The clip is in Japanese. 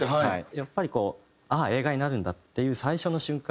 やっぱりこうああ映画になるんだっていう最初の瞬間